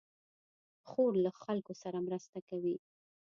خور له خلکو سره مرسته کوي.